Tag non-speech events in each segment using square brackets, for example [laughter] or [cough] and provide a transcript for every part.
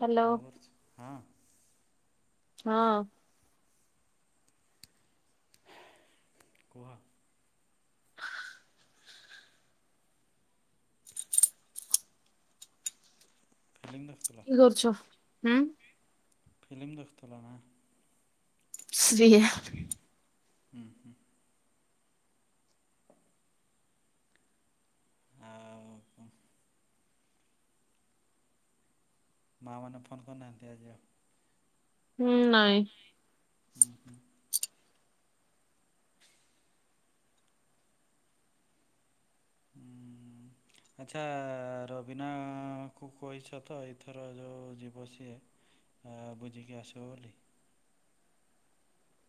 Hello କଣ କରୁଛ ହଁ। ହଁ। କୁହ। ଫିଲ୍ମ ଦେଖୁଥିଲ କି କରୁଛ? ହୁଁ ହୁ ଫିଲ୍ମ ଦେଖୁଥିଲା ନା। ଶ୍ରୀ [unintelligible] ହୁଁ ହୁଁ। ଆଉ କଣ। ମାଆ ମାନେ ଫୋନ୍ କରିୁନାହାଁନ୍ତି ଆଜି ଆଉ। ହୁଁ ନାଇଁ। ହୁଁ ହୁଁ। ହୁଁ। ଆଚ୍ଛା ରବିନା କୁ କହିଛ ତ ଏଇଥର ଯୋଉ ଯିବ ସିଏ। ଆ ବୁଝିକି ଆସିବ ବୋଲି।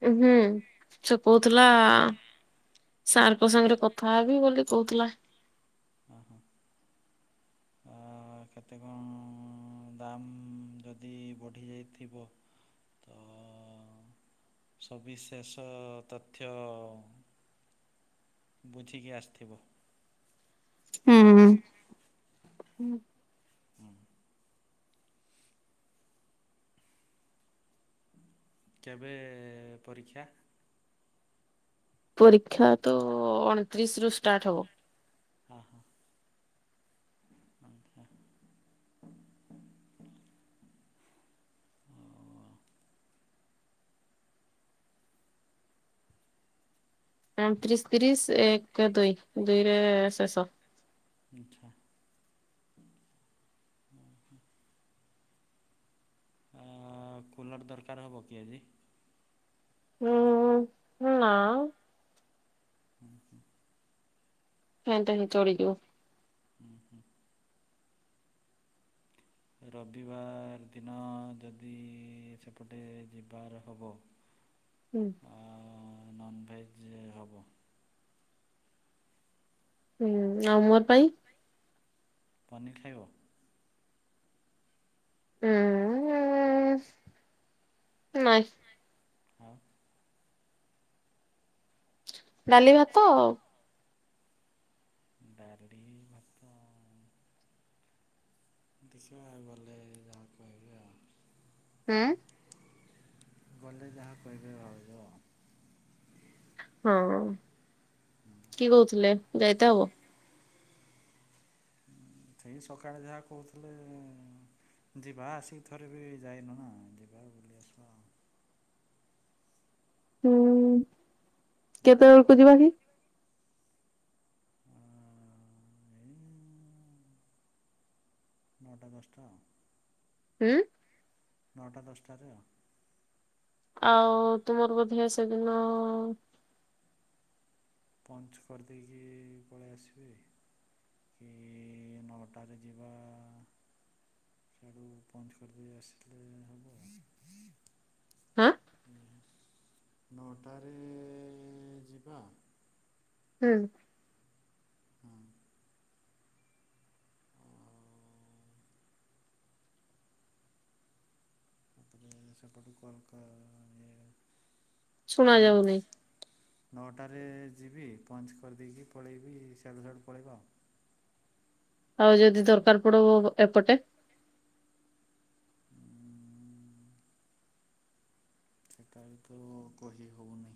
ଉହୁଁ ସେ କହୁଥିଲା। ସାରକ ସାଙ୍ଗରେ କଥା ହେବି ବୋଲି କହୁଥିଲା। ଓହୋ ଅ କେତେ କଣ ଦାମ୍ ଯଦି ବଢ଼ିଯାଇଥିବ। ତ ସବିଶେଷ ତଥ୍ୟ ବୁଝିକି ଆସିଥିବ। ହୁଁ ହୁଁ। କେବେ ପରୀକ୍ଷା? ପରୀକ୍ଷା ତ ଅଣତିରିଶ ରୁ ଷ୍ଟାର୍ଟ ହବ। ଓହୋ। [unintelligible] [unintelligible] ଅତିରିଶ ତିରିଶ ଏକ ଦୁଇ ଦୁଇରେ ଶେଷ। ଆଚ୍ଛା। ହୁଁ। ହଁ କୁଲର୍ ଦରକାର ହେବ କି ଆଜି? ହୁଁ ନା ହୁଁ, ହୁଁ। ସେତାହିଁ ଚଳିଯିବ। ଉହୁଁ। ରବିବାର ଦିନ ଯଦି ସେପଟେ ଯିବାର ହେବ ହୁଁ। ଆଁ ନନଭେଜ୍ ହେବ। ହୁଁ ଆଉ ମୋର ପାଇଁ? ପନିର୍ ଖାଇବ? ଉଁ, ଉଁ ନାଇଁ। ଆଉ। ଡାଲି ଭାତ ଆଉ। ଡାଲି, ଭାତ। ଦେଖିବା ଗଲେ ଗାଁକୁ ଆଇଲେ। ହୁଁ। ଗଲେ ଯାହା କହିବେ ଭାଉଜ। ହଁ। କିଏ କହୁଥିଲେ [unintelligible] ଇତେ ହବ। ସେଇ ସକାଳେ ଯାହା କହୁଥିଲେ ଯିବା ଆସିକି ଥରେ ବି ଯାଇନୁ ନା ଯିବା ବୁଲି ଆସିବା। ହୁଁ। କେତେବେଳକୁ ଯିବା କି? ଅଁ- ଅ- ଅ ଏଇ ନଅଟା ଦଶଟା ଆଉ। ହୁଁ। ନଅଟା ଦଶଟାରେ ଆଉ। ଆଉ ତୁମର ବୋଧେ ସେଦିନ ପଞ୍ଚ୍ କରିଦେଇକି ପଳେଇ ଆସିବି। କି ନଅଟାରେ ଯିବା। ସାଡ଼ୁ ପଞ୍ଚ କରିଦେଇ ଆସିଲେ ହବ। ହାଁ। ଆଜ୍ଞା। ନଅଟାରେ ଯିବା ହୁଁ। ହଁ। ତାପରେ ସେପଟୁ କଲକା ଏ ଶୁଣା ଯାଉନି ପଞ୍ଚ। ନଅଟାରେ ଯିବି ପଞ୍ଚ୍ କରିଦେଇକି ପଳେଇବି ସେଆଡ଼ୁ ସାଆଡ଼ୁ ପଳେଇବା ଆଉ। ଆଉ ଯଦି ଦରକାର ପଡିବ ଏପଟେ? ହୁଁ, ଉଁ, ଉଁ। ସେଇଟା ବି ତ କହି ହେଉନି।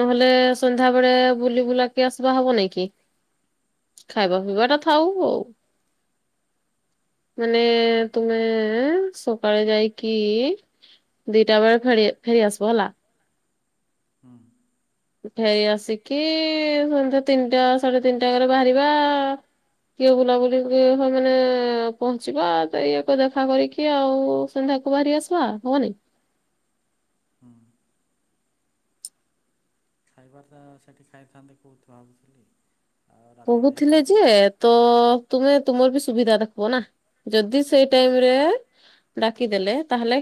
ନହେଲେ ସନ୍ଧ୍ୟା ବେଳେ ବୁଲି ବୁଲାକି ଆସିବା ହବ ନାଇ କି? ଖାଇବା ପିଇବା ଟା ଥାଉ। ଆଉ ମାନେ ତୁମେ ସକାଳେ ଯାଇକି ଦିଟା ବେଳେ ଫେରି ଫେରି ଆସିବ ହେଲା। ହଁ। ଫେରି ଆସିକି ସନ୍ ତିନିଟା ସାଢେ ତିନିଟା ଘରେ ବାହାରିବା କିଏ ବୁଲାବୁଲି ମାନେ ପହଞ୍ଚିବା ତ ଇଏକୁ ଦେଖା କରିକି ଆଉ। ସନ୍ଧ୍ୟାକୁ ବାହାରି ଆସିବା ହବ ନେଇ? ହୁଁ ଖାଇବାର ତ ସେଠି ଖାଇଥାନ୍ତେ କୋଉଠୁ ଭାବୁଥିଲି ଆଉ ରାତିରେ କହୁଥିଲେ ଖାଇ ଯେ ପିଇ ତ ତୁମେ ତୁମର ବି ସୁବିଧା ଦେଖବ ନା ଯଦି ସେଇ ଟାଇମରେ ଡାକିଦେଲେ ତାହେଲେ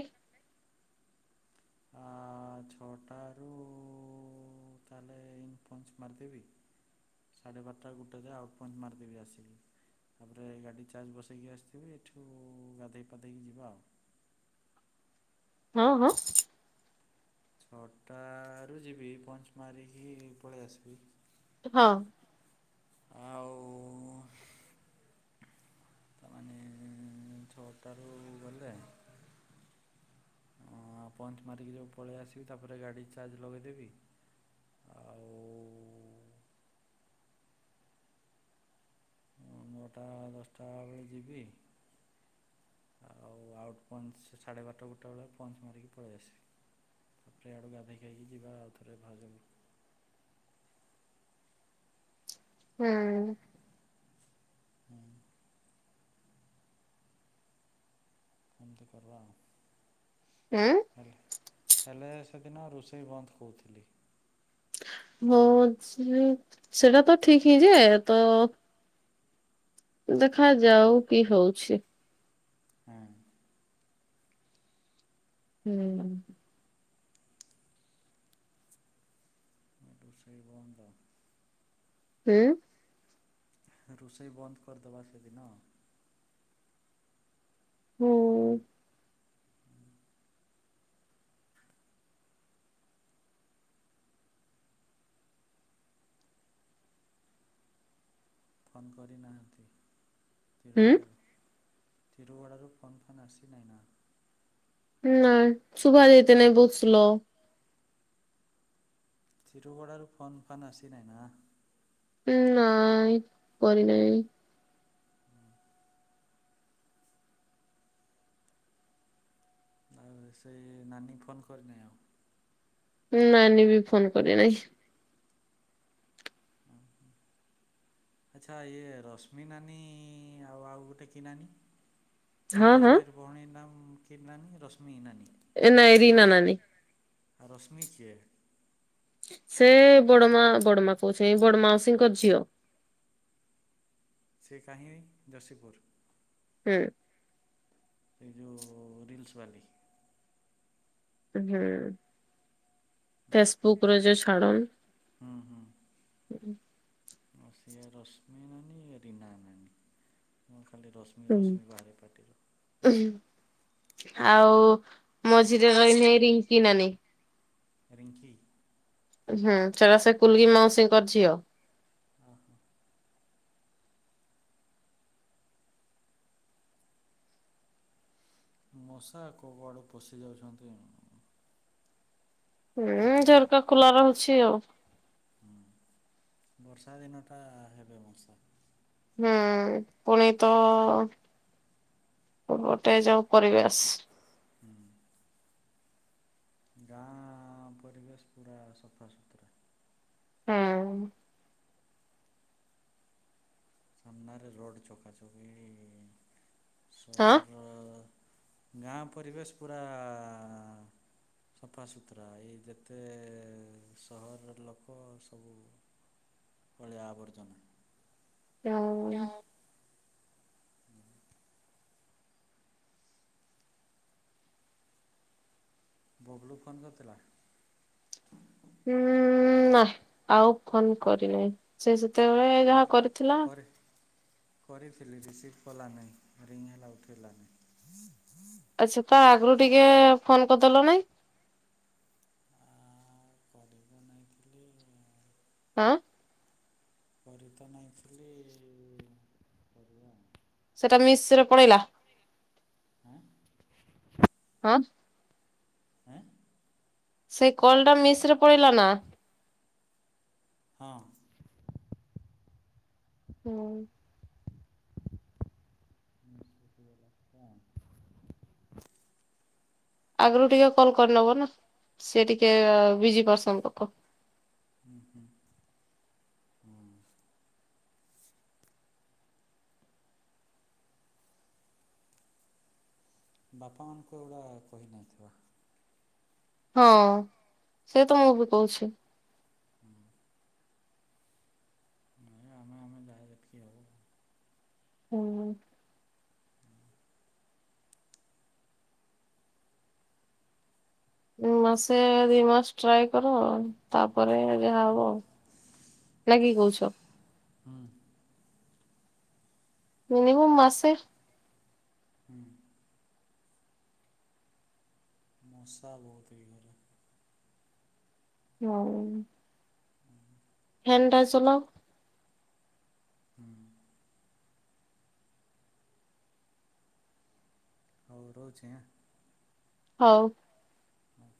ଆ ଛଅଟାରୁ ତାହେଲେ ଇନ୍ ପଞ୍ଚ୍ ମାରଦେବି। ସାଢ଼େ ବାରଟା ଗୋଟେ ଯାଏ ଆଉଟ୍ ପଞ୍ଚ୍ ମାରଦେବି ଆସିକି। ତାପରେ ଗାଡ଼ି ଚାର୍ଜ ବସେଇକି ଆସିଥିବି ଏଠୁ ଗାଧୋଇ ପାଧେଇକି ଯିବା ଆଉ। ହଁ ହଁ। ଛଅଟାରୁ ଯିବି ପଞ୍ଚ୍ ମାରିକି ପଳେଇ ଆସିବି। ହଁ। ଆଉ ତାମାନେ ଛଅଟାରୁ ଗଲେ ଅଁ ପଞ୍ଚ ମାରିକି ଯଉ ପଳେଇ ଆସିବି ତାପରେ ଗାଡ଼ି ଚାର୍ଜ ଲଗେଇଦେବି। ଆଉ ଉଁ ନଅଟା ଦଶଟା ବେଳେ ଯିବି। ଆଉ ଆଉଟ୍ ପଞ୍ଚ୍ ସାଢ଼େ ବାରଟା ଗୋଟା ବେଳେ ପଞ୍ଚ ମାରିକି ପଳେଇ ଆସ୍ ତାପରେ ୟାଡ଼ୁ ଗାଧୋଇ ଖାଇକି ଯିବା ଆଉ ଥରେ ଭାଉଜ ହୁଁ। ହୁଁ। ଏମତି କରବା ଆଉ। ଉଁ? ହେଲେ ହେଲେ ସେ ଦିନ ରୋଷେଇ ବନ୍ଦ କୋଉଥିଲି। ହଁ ଯେ ସେଟା ତ ଠିକ୍ ହିଁ ଯେ ତ ଦେଖାଯାଉ କି ହଉଛି। ହୁଁ। ହୁଁ। ଉଁ ରୋଷେଇ ବନ୍ଦ। ହୁଁ? ରୋଷେଇ ବନ୍ଦ କରିଦବା ସେଦିନ। ହୁଁ। ଉଁ ଫୋନ୍ କରିନାହାଁନ୍ତି ହୁଁ ତିରୁଗଡ଼ାରୁ? ତିରୁଗଡ଼ାରୁ ଫୋନ୍ ଫାନ୍ ଆସି ନାଇଁ ନା? ନାଁ ଶୁଭାଯାଇତେ ନାଇଁ ବହୁତ ସ୍ଲ। ଚିରୁଗଡାରୁ ଫୋନ ଫାନ ଆସି ନାଇଁ ନା? ଉଁ ନାଇଁ କରି ନାଇଁ। ଉଁ। ଆଉ ସେଇ ନାନୀ ଫୋନ୍ କରିନାଇ ଆଉ? ଉଁ ନାନୀ ବି ଫୋନ୍ କରିନାଇଁ। ଅଁ ହଁ। ଆଚ୍ଛା ଇଏ ରଶ୍ମି ନାନୀ ଆଉ ଆଉ ଗୋଟେ କି ନାନୀ? ହଁ ସନ୍ତୋଷ ହଁ ଭାଇର ଭଉଣୀ ନାମ କି ନାନୀ ରଶ୍ମି ନାନୀ। ଏ ନାଁଇ ରିନା ନାନୀ। ଆଉ ରଶ୍ମି କିଏ? ସେ ବଡ଼ମା ବଡ଼ମା କହୁଛେଁ ଏଇ ବଡ଼ ମାଉସୀଙ୍କ ଝିଅ। ସେ କାହିଁ ଯଶୀପୁର୍? ହୁଁ। ଏ ଯୋଉ ରିଲ୍ସ୍ ବାଲି। ଉଁ ହୁଁ। ଫେସବୁକ୍ ର ଯଉ ଛଡ଼ନ୍ ହୁଁ ହୁଁ। ଅଁ ସିଏ ରଶ୍ମି ନାନୀ ଏ ରୀନା ନାନୀ ମୁଁ ଖାଲି ର ଶ୍ମି ରଶ୍ମି ବାହାରେ ପାଟିରୁ। ଉହୁଁ ଆଉ ମଝିରେ ରହିନେ ଏ ରିଙ୍କି ନାନୀ। ରିଙ୍କି? ହୁଁ ଚାଲ ସେ କୁଲି ମାଉସୀଙ୍କ ଝିଅ। ଅହ। ମଶା କୋଉଆଡୁ ପଶି ଯାଉଛନ୍ତି। ବହୁତ ହୁଁ ମଶା ଝରକା ଖୋଲା ରହୁଛି ଆଉ। ହୁଁ ବର୍ଷା ଦିନଟା ହେବେ ମଶା। ହୁଁ ପୁଣି ତ ଓ ଗୋଟେ ଯୋଉ ପରିବେଶ୍। ହୁଁ। ଗାଁ ପରିବେଶ୍ ପୁରା ସଫା ସୁୁତୁରା। ହୁଁ। ସାମ୍ନାରେ ରୋଡ଼ ଚକା ଚକ୍ଏ ହଁ ସହର। ଗାଁ ପରିବେଶ୍ ପୁରା। ସଫାସୁତୁରା ଏଇ ଯେତେ ସହରର ଲୋକ ସବୁ। ଅଳିଆ ଆବର୍ଜନା। ହୁଁ ଟ୍ୟାସ୍କ। ହୁଁ। ବବଲୁ ଫୋନ୍ କରଥିଲା? ହୁଁ ନା ଆଉ ଫୋନ୍ କରିିନାଇଁ ସେ ସେତେବେଳେ ଯାହା କରିଥିଲା। କରି କରିଥିଲି ରିସିଭ୍ କଲାନାହିଁ ରିଙ୍ଗ୍ ହେଲା ଉଠେଇଲାନି। ଆଚ୍ଛା ତା ଆଗୁରୁ ଟିକେ ଫୋନ୍ କରଦେଲ ନାହିଁ? ମୁଁ କରିତ ନାଇଁଥିଲି ଆଉ। ଆଁ। କରି ତ ନାଇଁଥିଲି କରିବା ଆଉ। ସେଟା ମିସ୍ ରେ ପଳେଇଲା? ହୁଁ। ହଁ। ଏଁ। ସେଇ କଲ୍ ଟା ମିସ୍ ରେ ପଳେଇଲା ନା? ହଁ। ହୁଁ। ମିସ୍ ହେଇଗଲା ସେଟା। ଆଗୁରୁ ଟିକେ କଲ୍ କରିନବ ନା ସିଏ ଟିକେ ବିଜି ପର୍ସନ ଲୋକ। ହୁଁ ହୁଁ ହୁଁ। ବାପା ମାଙ୍କୁ ଏଗୁଡ଼ା କହି ନାଇଥିବା। ହଁ ସେ ତ ମୁଁ ବି କହୁଛି। ହୁଁ। ନାଇଁ ଆମେ ଆମେ ଯାହା ଯେତିକି ହବ। ହୁଁ ଉଁ ମାସେ ଦି ମାସ ଟ୍ରାଏ କର ଆଉ ତାପରେ ଯାହା ହୁଁ ହବ, ନା କି କହୁଛ? ହୁଁ ମିନିମମ୍ ମାସେ। ହୁଁ ମଶା ବହୁତ୍ ଏଇ ଘରେ। ହଉ ହୁଁ ଫ୍ୟାନ୍ ଟା ଚଲାଅ। ହୁଁ ହଉ ରହୁଛି ଆଁ? ହଉ। ହଁ